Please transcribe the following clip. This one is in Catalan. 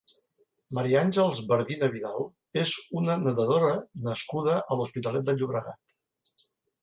Maria Àngels Bardina Vidal és una nedadora nascuda a l'Hospitalet de Llobregat.